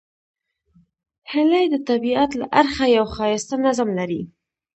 هیلۍ د طبیعت له اړخه یو ښایسته نظم لري